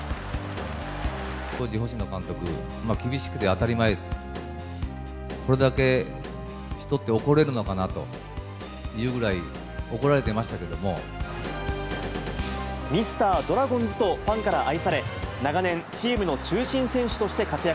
当時、星野監督、厳しくて当たり前、これだけ人って怒れるのかなというぐらい怒られていましたけれどミスタードラゴンズとファンから愛され、長年、チームの中心選手として活躍。